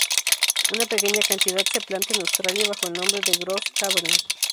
Una pequeña cantidad se planta en Australia bajo el nombre de gros cabernet.